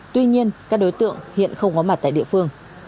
tuy nhiên các đối tượng hiện không có mặt tại địa phương